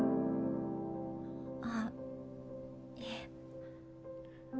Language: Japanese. あっいえ。